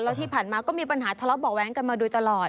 แล้วที่ผ่านมาก็มีปัญหาทะเลาะเบาะแว้งกันมาโดยตลอด